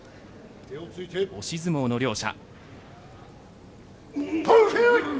押し相撲の両者。